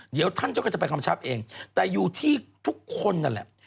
เดี๋ยวท่านเจ้าก็จะไปคำชับเองแต่อยู่ที่ทุกคนนั่นแหละ